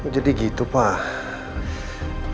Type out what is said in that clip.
jadi gitu pak